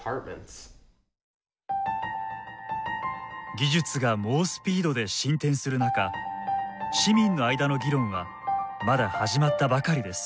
技術が猛スピードで進展する中市民の間の議論はまだ始まったばかりです。